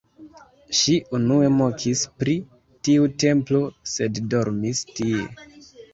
Ŝi unue mokis pri tiu templo, sed dormis tie.